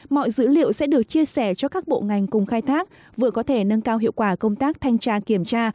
mọi dữ liệu sẽ được chia sẻ cho các bộ ngành cùng khai thác vừa có thể nâng cao hiệu quả công tác thanh tra kiểm tra